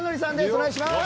お願いします。